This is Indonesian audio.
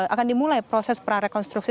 akan dimulai proses prarekonstruksi